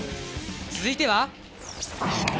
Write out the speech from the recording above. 続いては。